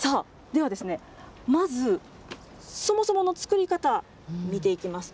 では、まず、そもそもの作り方、見ていきます。